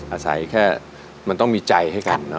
อาศัยแค่มันต้องมีใจให้กันเนอ